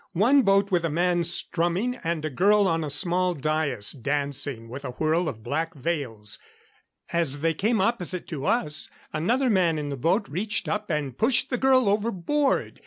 One boat with a man strumming, and a girl on a small dais, dancing with a whirl of black veils. As they came opposite to us another man in the boat reached up and pushed the girl overboard.